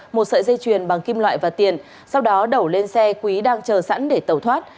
một sợi dây chuyền bằng kim loại và tiền sau đó đổ lên xe quý đang chờ sẵn để tẩu thoát